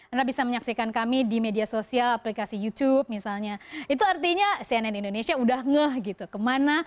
anda bisa menyaksikan kami di media sosial aplikasi youtube misalnya itu artinya cnn indonesia udah ngeh gitu kemana